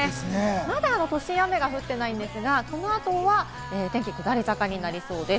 また都心は雨が降ってないんですが、この後は天気下り坂になりそうです。